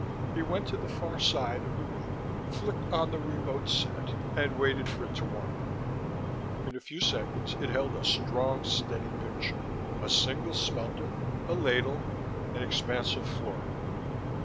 He went to the far side of the room, flicked on the remote set, and waited for it to warm up. In a few seconds it held a strong, steady picture: a single smelter, a ladle, an expanse of flooring.